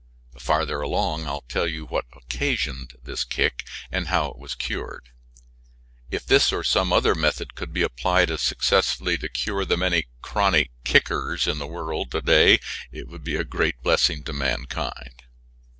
Farther along I will tell you what occasioned this "kick" and how it was cured. If this or some other method could be applied as successfully to cure the many chronic "kickers" in the world it would be a great blessing to mankind.